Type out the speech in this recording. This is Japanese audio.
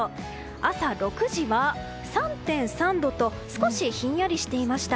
朝６時は３．３度と少しひんやりしていました。